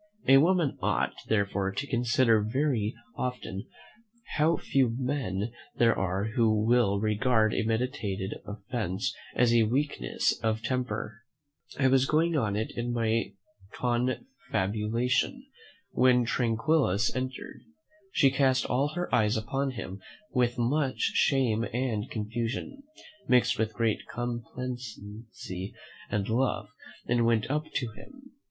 A woman ought, therefore, to consider very often how few men there are who will regard a meditated offence as a weakness of temper." I was going on in my confabulation, when Tranquillus entered. She cast all her eyes upon him with much shame and confusion, mixed with great complacency and love, and went up to him.